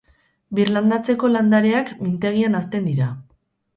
Birlandatzeko landareak mintegian hazten dira.